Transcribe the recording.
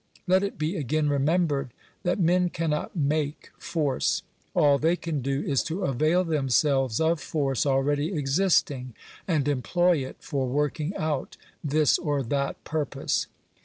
Let it be again remembered that men cannot make force. All they can do is to avail themselves of force already existing, and employ it for working out this or that purpose.